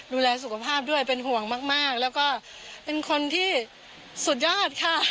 ดูแลสุขภาพด้วยเป็นห่วงมากแล้วก็เป็นคนที่สุดยอดค่ะ